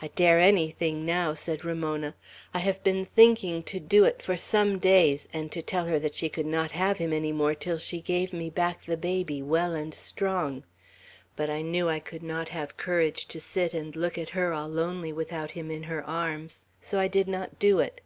"I dare anything now!" said Ramona. "I have been thinking to do it for some days, and to tell her she could not have him any more till she gave me back the baby well and strong; but I knew I could not have courage to sit and look at her all lonely without him in her arms, so I did not do it.